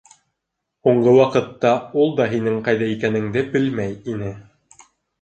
Һуңғы ваҡытта ул да һинең ҡайҙа икәнеңде белмәй ине.